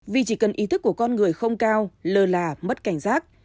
vì chỉ cần ý thức của con người không cao lơ là mất cảnh giác